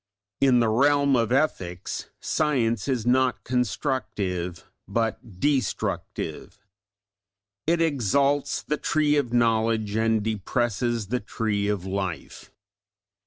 In the realm of ethics science is not constructive but destructive. It exalts the Tree of Knowledge and depresses the Tree of Life.